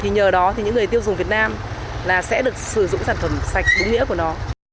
nhờ đó thì những người tiêu dùng việt nam sẽ được sử dụng sản phẩm sạch đúng nghĩa của nó